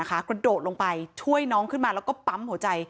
กระโดดลงไปช่วยน้องขึ้นมาแล้วก็ปั๊มหัวใจ